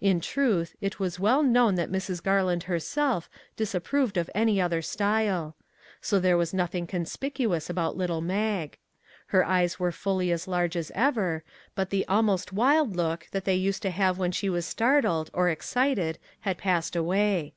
In truth, it was well known that Mrs. Garland herself disapproved of any other style; so there was nothing con spicuous about little Mag. Her eyes were fully as large as ever, but the almost wild look that they used to have when she was startled or ex cited had passed away.